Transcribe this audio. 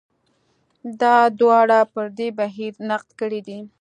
دا دواړو پر دې بهیر نقد کړی دی.